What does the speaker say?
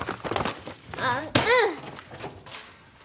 あっうん！